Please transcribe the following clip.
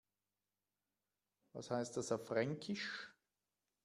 Was heißt das auf Fränkisch?